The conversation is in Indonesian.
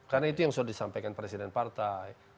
karena itu yang sudah disampaikan presiden partai